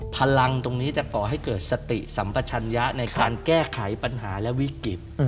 พลังตรงนี้จะก่อให้เกิดสติสัมปชัญญะในการแก้ไขปัญหาและวิกฤต